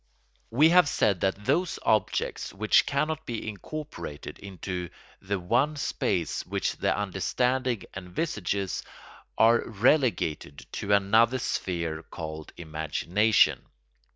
] We have said that those objects which cannot be incorporated into the one space which the understanding envisages are relegated to another sphere called imagination.